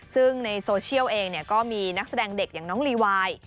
ซึ่งในโซเชียลเองก็มีนักแสดงเด็กอย่างน้องลีวาย